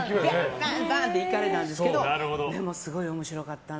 バンバンバンっていかれたんですけどでも、すごい面白かったな。